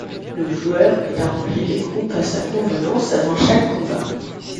Le joueur peut arranger les groupes à sa convenance avant chaque combat.